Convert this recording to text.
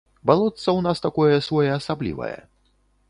Балотца ў нас такое своеасаблівае.